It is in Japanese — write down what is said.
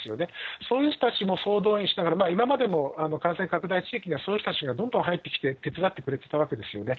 そういう人たちも総動員しながら、今までも感染拡大地域にはその人たちがどんどん入ってきて、手伝ってくれていたわけですよね。